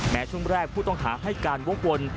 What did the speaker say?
ช่วงแรกผู้ต้องหาให้การวกวน